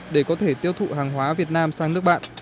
để có thể tiêu thụ hàng hóa việt nam sang nước bạn